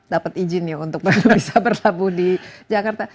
dapat izin ya untuk bisa berlabuh di jakarta